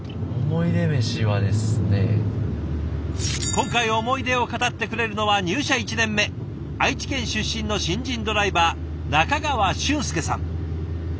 今回思い出を語ってくれるのは入社１年目愛知県出身の新人ドライバー中川峻輔さん。